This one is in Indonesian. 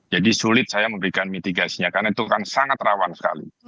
jadi sulit saya memberikan mitigasinya karena itu kan sangat rawan sekali